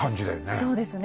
そうですね。